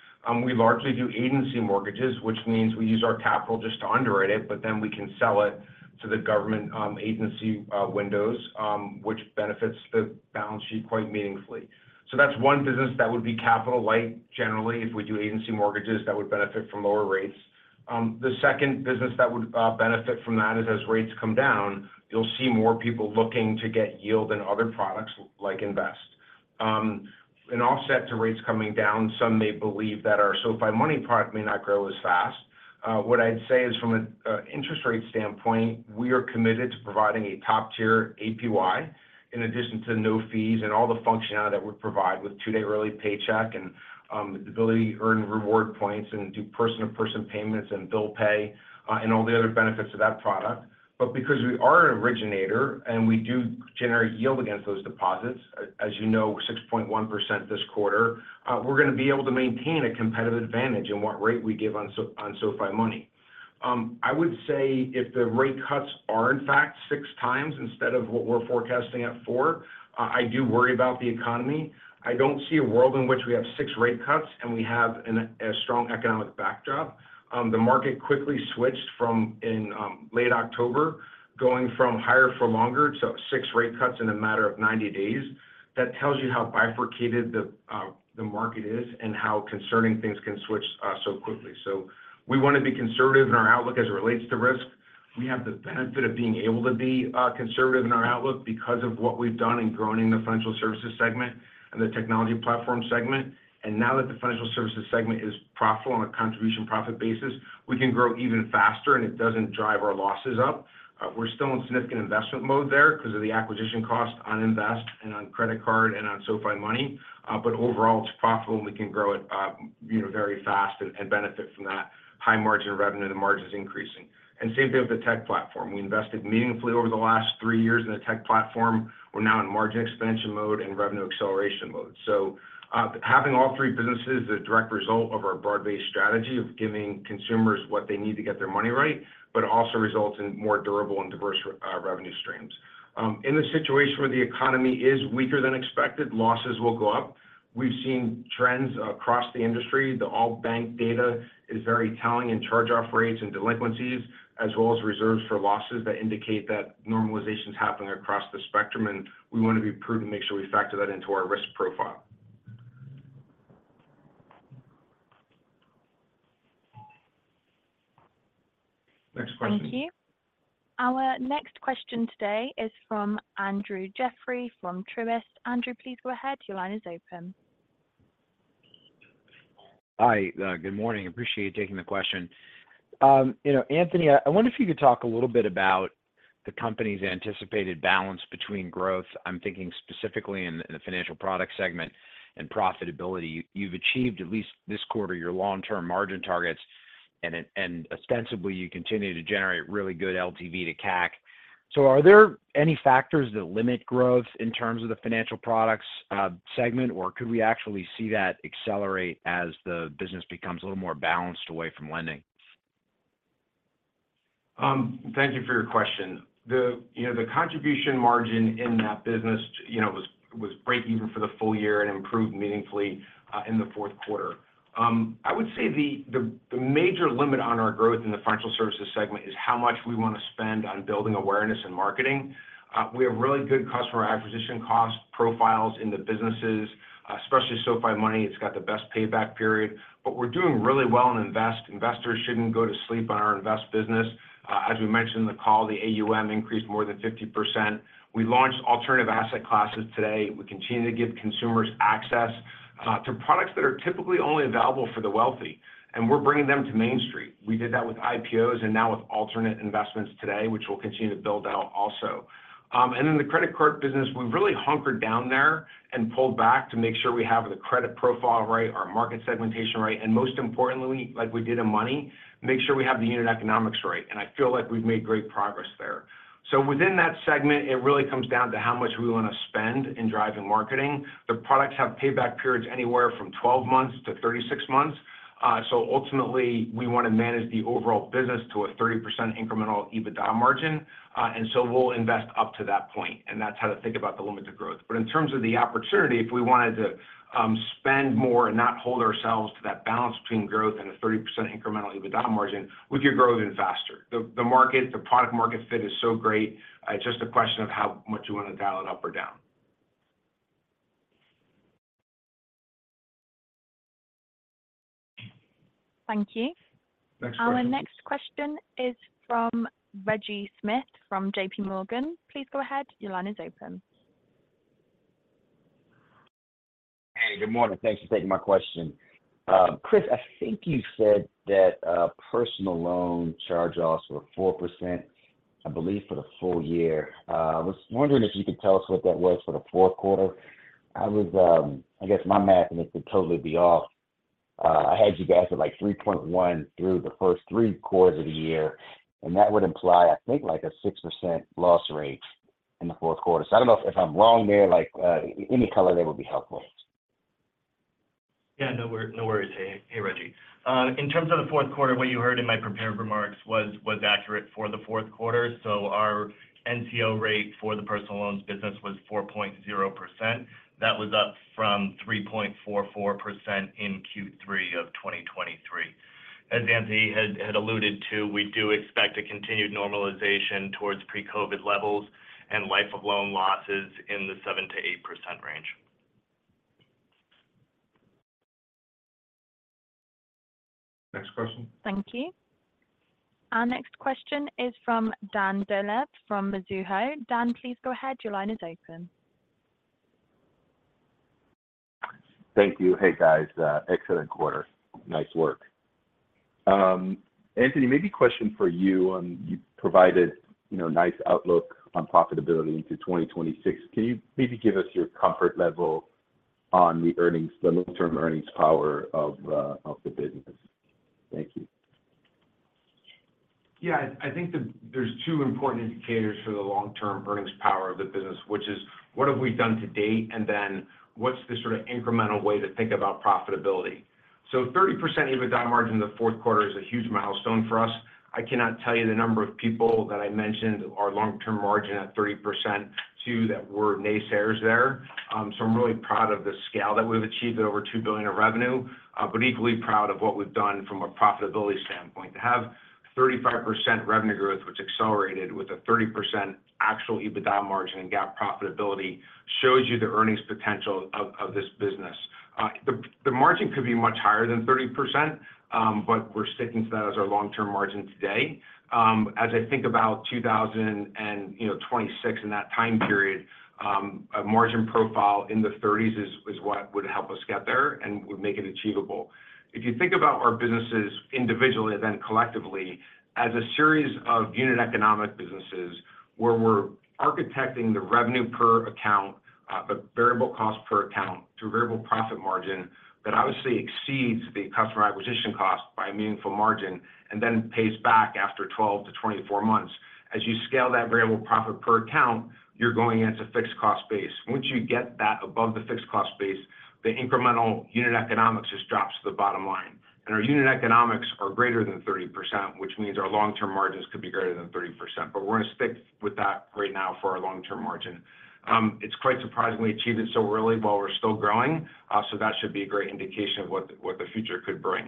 We largely do agency mortgages, which means we use our capital just to underwrite it, but then we can sell it to the government agency windows, which benefits the balance sheet quite meaningfully. So that's one business that would be capital-light, generally, if we do agency mortgages that would benefit from lower rates. The second business that would benefit from that is as rates come down, you'll see more people looking to get yield in other products like Invest. In offset to rates coming down, some may believe that our SoFi Money product may not grow as fast. What I'd say is from an interest rate standpoint, we are committed to providing a top-tier APY in addition to no fees and all the functionality that we provide with 2-day early paycheck and the ability to earn reward points and do person-to-person payments and bill pay and all the other benefits of that product. But because we are an originator and we do generate yield against those deposits, as you know, 6.1% this quarter, we're going to be able to maintain a competitive advantage in what rate we give on SoFi Money. I would say if the rate cuts are, in fact, 6 times instead of whawe're forecasting at 4, I do worry about the economy. I don't see a world in which we have six rate cuts and we have a strong economic backdrop. The market quickly switched from in late October, going from higher for longer to six rate cuts in a matter of 90 days. That tells you how bifurcated the market is and how concerning things can switch so quickly. So we want to be conservative in our outlook as it relates to risk. We have the benefit of being able to be conservative in our outlook because of what we've done in growing in the financial services segment and the technology platform segment. Now that the financial services segment is profitable on a contribution profit basis, we can grow even faster, and it doesn't drive our losses up. We're still in significant investment mode there because of the acquisition cost on Invest and on credit card and on SoFi Money. But overall, it's profitable, and we can grow it very fast and benefit from that high-margin revenue and the margins increasing. Same thing with the tech platform. We invested meaningfully over the last three years in the tech platform. We're now in margin expansion mode and revenue acceleration mode. So having all three businesses is a direct result of our broad-based strategy of giving consumers what they need to get their money right, but it also results in more durable and diverse revenue streams. In the situation where the economy is weaker than expected, losses will go up. We've seen trends across the industry. The All Bank data is very telling in charge-off rates and delinquencies, as well as reserves for losses that indicate that normalization is happening across the spectrum. We want to be prepared to make sure we factor that into our risk profile. Next question. Thank you. Our next question today is from Andrew Jeffrey from Truist. Andrew, please go ahead. Your line is open. Hi. Good morning. Appreciate you taking the question. Anthony, I wonder if you could talk a little bit about the company's anticipated balance between growth, I'm thinking specifically in the financial product segment, and profitability. You've achieved, at least this quarter, your long-term margin targets, and ostensibly, you continue to generate really good LTV to CAC. So are there any factors that limit growth in terms of the financial products segment, or could we actually see that accelerate as the business becomes a little more balanced away from lending? Thank you for your question. The contribution margin in that business was break even for the full year and improved meaningfully in the Q4. I would say the major limit on our growth in the financial services segment is how much we want to spend on building awareness and marketing. We have really good customer acquisition cost profiles in the businesses, especially SoFi Money. It's got the best payback period. But we're doing really well in Invest. Investors shouldn't go to sleep on our Invest business. As we mentioned in the call, the AUM increased more than 50%. We launched alternative asset classes today. We continue to give consumers access to products that are typically only available for the wealthy, and we're bringing them to mainstream. We did that with IPOs and now with alternate investments today, which we'll continue to build out also. In the credit card business, we've really hunkered down there and pulled back to make sure we have the credit profile right, our market segmentation right, and most importantly, like we did in money, make sure we have the unit economics right. I feel like we've made great progress there. Within that segment, it really comes down to how much we want to spend in driving marketing. The products have payback periods anywhere from 12 months to 36 months. Ultimately, we want to manage the overall business to a 30% incremental EBITDA margin. We'll invest up to that point. That's how to think about the limit to growth. But in terms of the opportunity, if we wanted to spend more and not hold ourselves to that balance between growth and a 30% incremental EBITDA margin, we could grow even faster. The product market fit is so great. It's just a question of how much you want to dial it up or down. Thank you. Next Question. Our next question is from Reggie Smith from JPMorgan. Please go ahead. Your line is open. Hey, good morning. Thanks for taking my question. Chris, I think you said that personal loan charge-offs were 4%, I believe, for the full year. I was wondering if you could tell us what that was for the Q4. I guess my math, and it could totally be off. I had you guys at like 3.1 through the first three quarters of the year. And that would imply, I think, like a 6% loss rate in the Q4. So I don't know if I'm wrong there. Any color there would be helpful. Yeah, no worries. Hey, Reggie. In terms of the Q4, what you heard in my prepared remarks was accurate for the Q4. So our NCO rate for the personal loans business was 4.0%. That was up from 3.44% in Q3 of 2023. As Anthony had alluded to, we do expect a continued normalization towards pre-COVID levels and life of loan losses in the 7%-8% range. Next question. Thank you. Our next question is from Dan Dolev from Mizuho. Dan, please go ahead. Your line is open. Thank you. Hey, guys. Excellent quarters. Nice work. Anthony, maybe a question for you. You provided a nice outlook on profitability into 2026. Can you maybe give us your comfort level on the long-term earnings power of the business? Thank you. Yeah, I think there are two important indicators for the long-term earnings power of the business, which is what have we done to date, and then what's the sort of incremental way to think about profitability. So a 30% EBITDA margin in the Q4 is a huge milestone for us. I cannot tell you the number of people that I mentioned our long-term margin at 30% to that were naysayers there. So I'm really proud of the scale that we've achieved at over $2 billion of revenue, but equally proud of what we've done from a profitability standpoint. To have 35% revenue growth, which accelerated with a 30% actual EBITDA margin and GAAP profitability, shows you the earnings potential of this business. The margin could be much higher than 30%, but we're sticking to that as our long-term margin today. As I think about 2026 and that time period, a margin profile in the 30s is what would help us get there and would make it achievable. If you think about our businesses individually and then collectively as a series of unit economic businesses where we're architecting the revenue per account, variable cost per account, to variable profit margin that obviously exceeds the customer acquisition cost by a meaningful margin and then pays back after 12-24 months. As you scale that variable profit per account, you're going into fixed cost base. Once you get that above the fixed cost base, the incremental unit economics just drops to the bottom line. And our unit economics are greater than 30%, which means our long-term margins could be greater than 30%. But we're going to stick with that right now for our long-term margin. It's quite surprising we achieved it so early while we're still growing. So that should be a great indication of what the future could bring.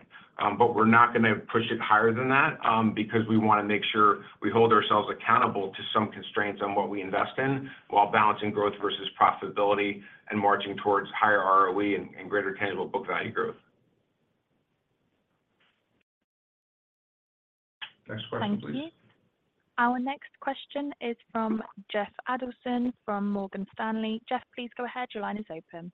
But we're not going to push it higher than that because we want to make sure we hold ourselves accountable to some constraints on what we invest in while balancing growth versus profitability and edging towards higher ROE and greater tangible book value growth. Next question, please. Thank you. Our next question is from Jeff Adelson from Morgan Stanley. Jeff, please go ahead. Your line is open.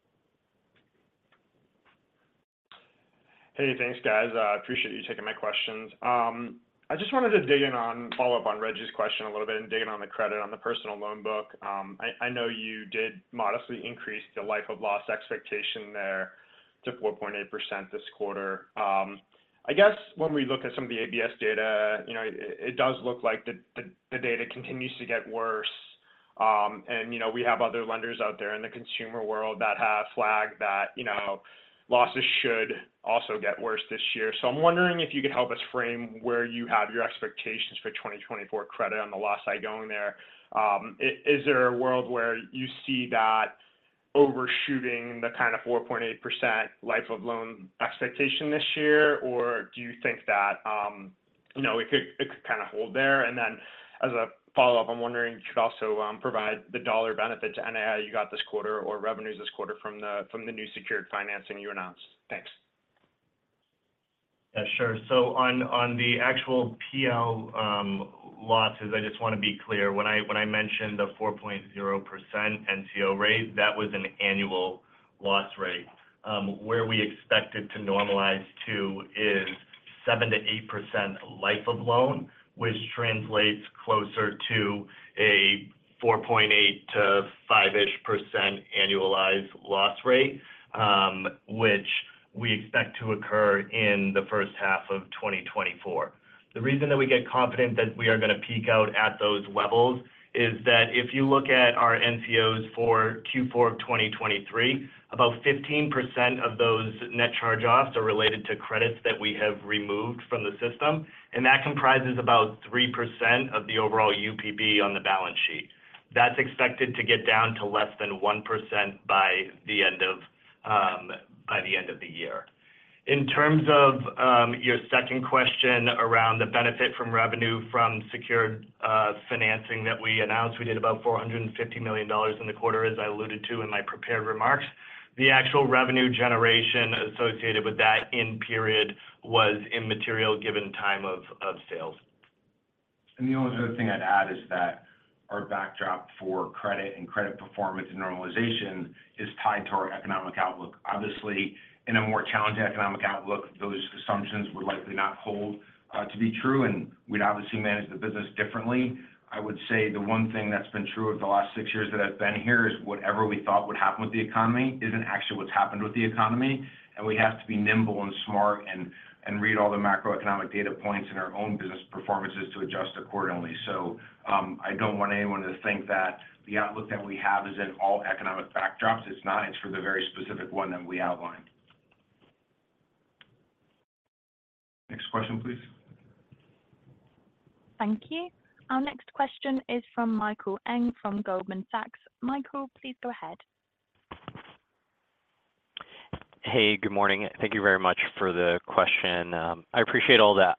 Hey, thanks, guys. I appreciate you taking my questions. I just wanted to dig in on follow up on Reggie's question a little bit and dig in on the credit on the personal loan book. I know you did modestly increase the life-of-loan loss expectation there to 4.8% this quarter. I guess when we look at some of the ABS data, it does look like the data continues to get worse. And we have other lenders out there in the consumer world that have flagged that losses should also get worse this year. So I'm wondering if you could help us frame where you have your expectations for 2024 credit on the loss side going there. Is there a world where you see that overshooting the kind of 4.8% life-of-loan expectation this year, or do you think that it could kind of hold there? Then as a follow-up, I'm wondering you could also provide the dollar benefit to NII you got this quarter or revenues this quarter from the new secured financing you announced. Thanks. Yeah, sure. So on the actual PL losses, I just want to be clear. When I mentioned the 4.0% NCO rate, that was an annual loss rate. Where we expect it to normalize to is 7%-8% life of loan, which translates closer to a 4.8%-5%-ish annualized loss rate, which we expect to occur in the first half of 2024. The reason that we get confident that we are going to peak out at those levels is that if you look at our NCOs for Q4 of 2023, about 15% of those net charge-offs are related to credits that we have removed from the system. And that comprises about 3% of the overall UPB on the balance sheet. That's expected to get down to less than 1% by the end of the year. In terms of your second question around the benefit from revenue from secured financing that we announced, we did about $450 million in the quarter, as I alluded to in my prepared remarks. The actual revenue generation associated with that in-period was immaterial given time of sales. The only other thing I'd add is that our backdrop for credit and credit performance and normalization is tied to our economic outlook. Obviously, in a more challenging economic outlook, those assumptions would likely not hold to be true, and we'd obviously manage the business differently. I would say the one thing that's been true over the last six years that I've been here is whatever we thought would happen with the economy isn't actually what's happened with the economy. And we have to be nimble and smart and read all the macroeconomic data points in our own business performances to adjust accordingly. So I don't want anyone to think that the outlook that we have is in all economic backdrops. It's not. It's for the very specific one that we outlined. Next question, please. Thank you. Our next question is from Michael Ng from Goldman Sachs. Michael, please go ahead. Hey, good morning. Thank you very much for the question. I appreciate all that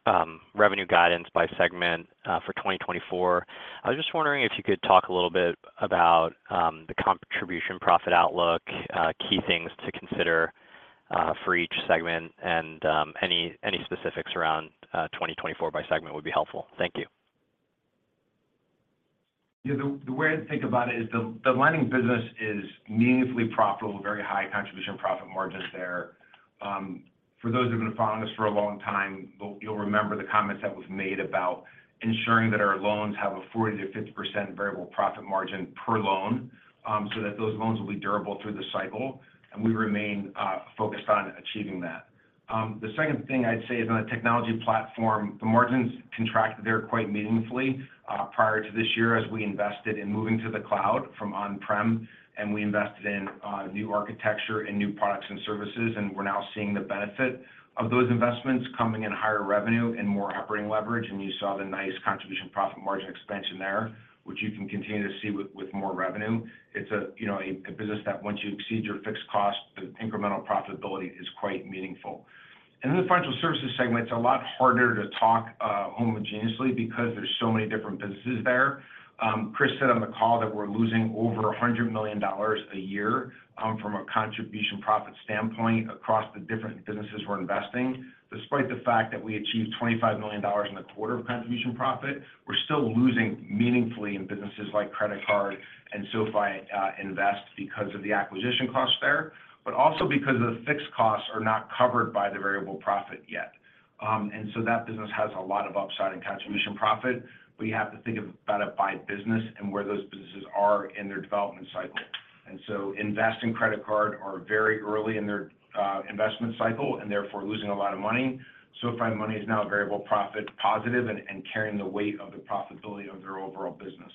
revenue guidance by segment for 2024. I was just wondering if you could talk a little bit about the Contribution Profit outlook, key things to consider for each segment, and any specifics around 2024 by segment would be helpful. Thank you. Yeah, the way I think about it is the lending business is meaningfully profitable, very high contribution profit margins there. For those who've been following us for a long time, you'll remember the comments that were made about ensuring that our loans have a 40%-50% variable profit margin per loan so that those loans will be durable through the cycle. We remain focused on achieving that. The second thing I'd say is on the technology platform, the margins contracted there quite meaningfully prior to this year as we invested in moving to the cloud from on-prem. We invested in new architecture and new products and services. We're now seeing the benefit of those investments coming in higher revenue and more operating leverage. You saw the nice contribution profit margin expansion there, which you can continue to see with more revenue. It's a business that once you exceed your fixed cost, the incremental profitability is quite meaningful. In the financial services segment, it's a lot harder to talk homogeneously because there's so many different businesses there. Chris said on the call that we're losing over $100 million a year from a Contribution Profit standpoint across the different businesses we're investing. Despite the fact that we achieved $25 million in the quarter of Contribution Profit, we're still losing meaningfully in businesses like Credit Card and SoFi Invest because of the acquisition costs there, but also because the fixed costs are not covered by the variable profit yet. So that business has a lot of upside in Contribution Profit. We have to think about it by business and where those businesses are in their development cycle. Invest and Credit Card are very early in their investment cycle and therefore losing a lot of money. SoFi Money is now variable profit positive and carrying the weight of the profitability of their overall business.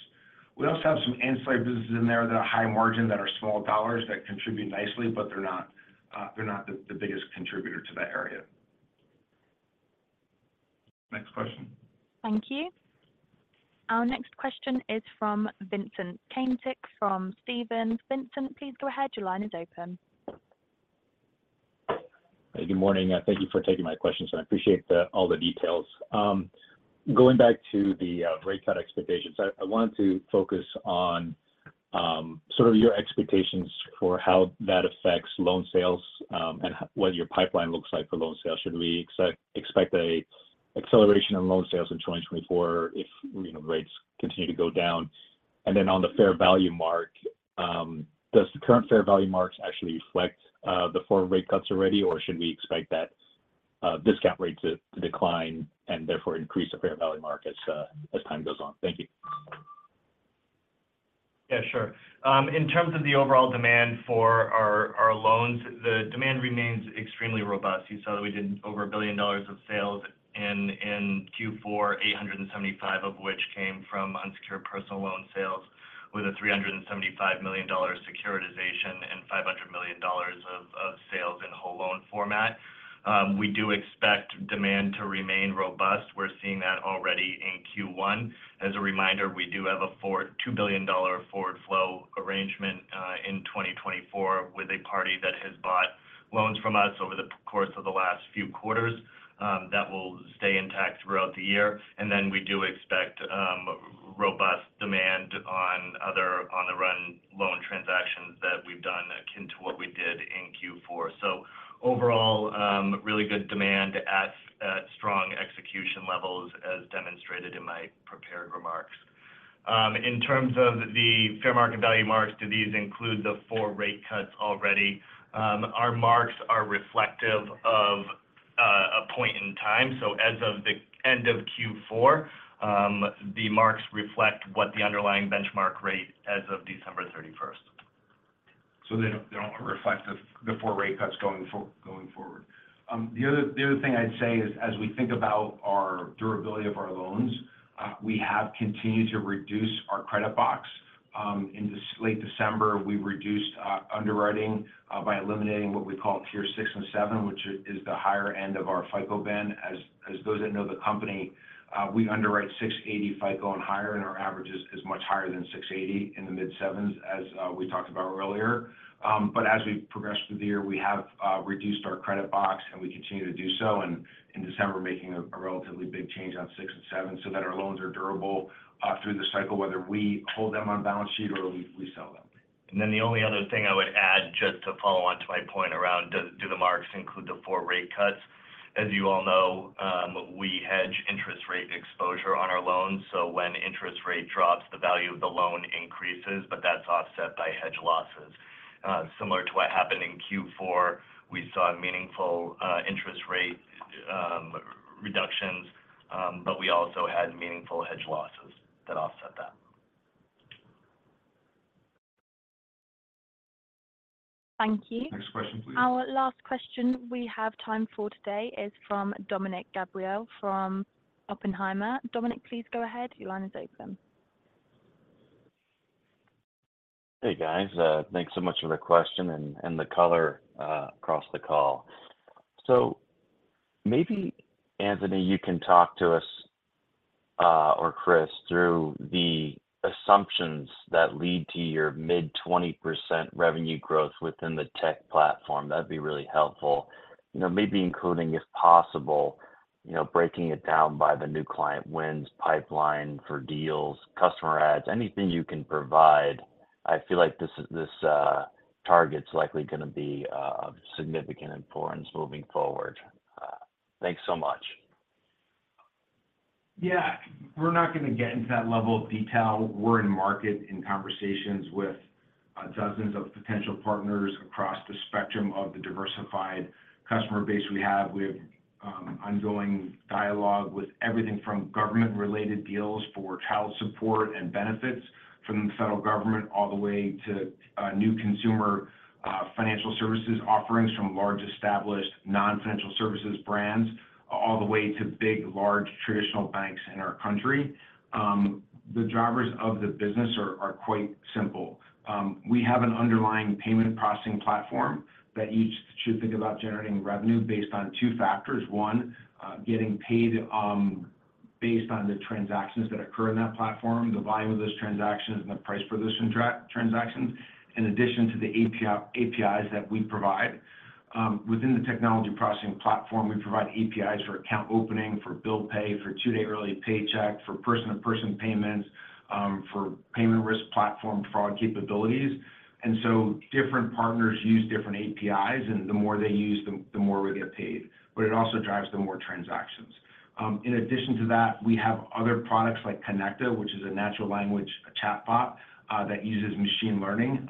We also have some ancillary businesses in there that are high-margin that are small-dollar that contribute nicely, but they're not the biggest contributor to that area. Next question. Thank you. Our next question is from Vincent Caintic from Stephens. Vincent, please go ahead. Your line is open. Hey, good morning. Thank you for taking my questions. And I appreciate all the details. Going back to the rate cut expectations, I wanted to focus on sort of your expectations for how that affects loan sales and what your pipeline looks like for loan sales. Should we expect an acceleration on loan sales in 2024 if rates continue to go down? And then on the fair value mark, does the current fair value marks actually reflect the four rate cuts already, or should we expect that discount rate to decline and therefore increase the fair value mark as time goes on? Thank you. Yeah, sure. In terms of the overall demand for our loans, the demand remains extremely robust. You saw that we did over $1 billion of sales in Q4, $875 million of which came from unsecured personal loan sales with a $375 million securitization and $500 million of sales in whole loan format. We do expect demand to remain robust. We're seeing that already in Q1. As a reminder, we do have a $2 billion forward flow arrangement in 2024 with a party that has bought loans from us over the course of the last few quarters that will stay intact throughout the year. And then we do expect robust demand on the run loan transactions that we've done akin to what we did in Q4. So overall, really good demand at strong execution levels as demonstrated in my prepared remarks. In terms of the fair market value marks, do these include the 4 rate cuts already? Our marks are reflective of a point in time. As of the end of Q4, the marks reflect what the underlying benchmark rate as of December 31st. So they don't reflect the 4 rate cuts going forward. The other thing I'd say is as we think about our durability of our loans, we have continued to reduce our credit box. In late December, we reduced underwriting by eliminating what we call tier 6 and 7, which is the higher end of our FICO band. As those that know the company, we underwrite 680 FICO and higher, and our average is much higher than 680 in the mid-sevens as we talked about earlier. But as we progressed through the year, we have reduced our credit box, and we continue to do so. And in December, making a relatively big change on 6 and 7 so that our loans are durable through the cycle, whether we hold them on balance sheet or we sell them. Then the only other thing I would add just to follow on to my point around do the marks include the four rate cuts? As you all know, we hedge interest rate exposure on our loans. So when interest rate drops, the value of the loan increases, but that's offset by hedge losses. Similar to what happened in Q4, we saw meaningful interest rate reductions, but we also had meaningful hedge losses that offset that. Thank you. Next question, please. Our last question we have time for today is from Dominick Gabriele from Oppenheimer. Dominick, please go ahead. Your line is open. Hey, guys. Thanks so much for the question and the color across the call. So maybe, Anthony, you can talk to us or Chris through the assumptions that lead to your mid-20% revenue growth within the tech platform. That'd be really helpful. Maybe including, if possible, breaking it down by the new client wins pipeline for deals, customer adds, anything you can provide. I feel like this target's likely going to be of significant importance moving forward. Thanks so much. Yeah, we're not going to get into that level of detail. We're in market in conversations with dozens of potential partners across the spectrum of the diversified customer base we have. We have an ongoing dialogue with everything from government-related deals for child support and benefits from the federal government all the way to new consumer financial services offerings from large established non-financial services brands all the way to big, large traditional banks in our country. The drivers of the business are quite simple. We have an underlying payment processing platform that needs to think about generating revenue based on two factors. One, getting paid based on the transactions that occur in that platform, the volume of those transactions, and the price for those transactions, in addition to the APIs that we provide. Within the technology processing platform, we provide APIs for account opening, for bill pay, for two-day early paycheck, for person-to-person payments, for Payment Risk Platform fraud capabilities. And so different partners use different APIs, and the more they use, the more we get paid. But it also drives the more transactions. In addition to that, we have other products like Konecta, which is a natural language chatbot that uses machine learning.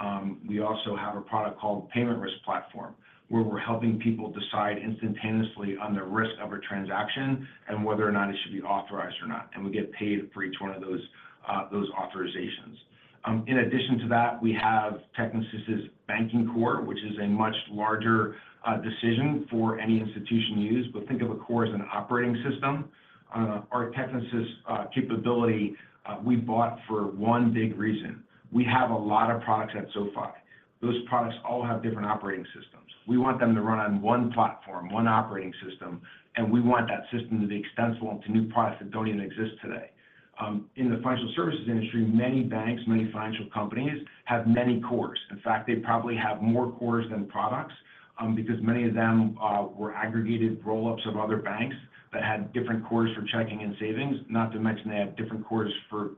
We also have a product called Payment Risk Platform, where we're helping people decide instantaneously on the risk of a transaction and whether or not it should be authorized or not. And we get paid for each one of those authorizations. In addition to that, we have Technisys' Banking Core, which is a much larger decision for any institution used, but think of a core as an operating system. Our Technisys capability, we bought for one big reason. We have a lot of products at SoFi. Those products all have different operating systems. We want them to run on one platform, one operating system, and we want that system to be extensible to new products that don't even exist today. In the financial services industry, many banks, many financial companies have many cores. In fact, they probably have more cores than products because many of them were aggregated roll-ups of other banks that had different cores for checking and savings. Not to mention, they had different cores for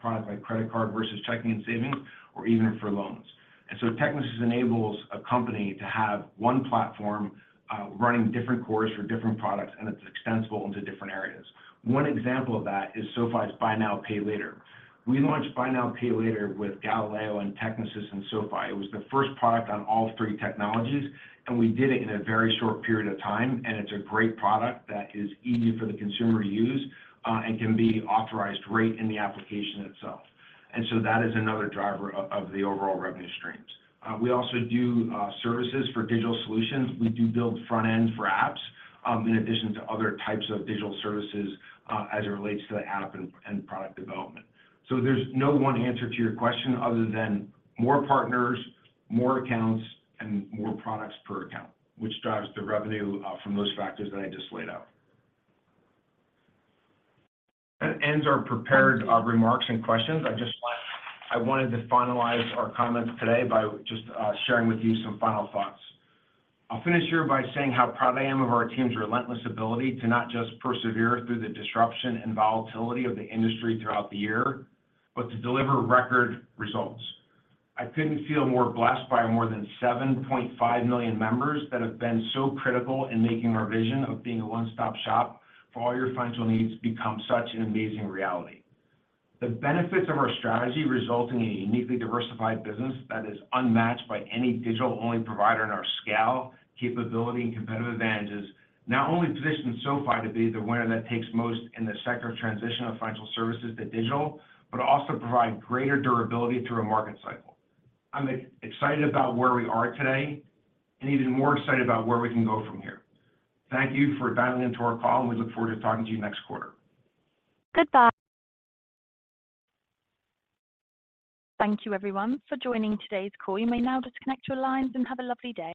products like credit card versus checking and savings, or even for loans. And so Technisys enables a company to have one platform running different cores for different products, and it's extensible into different areas. One example of that is SoFi's Buy Now, Pay Later. We launched Buy Now, Pay Later with Galileo and Technisys and SoFi. It was the first product on all three technologies, and we did it in a very short period of time. It's a great product that is easy for the consumer to use and can be authorized right in the application itself. So that is another driver of the overall revenue streams. We also do services for digital solutions. We do build front-ends for apps in addition to other types of digital services as it relates to the app and product development. There's no one answer to your question other than more partners, more accounts, and more products per account, which drives the revenue from those factors that I just laid out. That ends our prepared remarks and questions. I wanted to finalize our comments today by just sharing with you some final thoughts. I'll finish here by saying how proud I am of our team's relentless ability to not just persevere through the disruption and volatility of the industry throughout the year, but to deliver record results. I couldn't feel more blessed by more than 7.5 million members that have been so critical in making our vision of being a one-stop shop for all your financial needs become such an amazing reality. The benefits of our strategy result in a uniquely diversified business that is unmatched by any digital-only provider in our scale, capability, and competitive advantages, not only position SoFi to be the winner that takes most in the sector transition of financial services to digital, but also provide greater durability through a market cycle. I'm excited about where we are today and even more excited about where we can go from here. Thank you for dialing into our call, and we look forward to talking to you next quarter. Goodbye. Thank you, everyone, for joining today's call. You may now disconnect your lines and have a lovely day.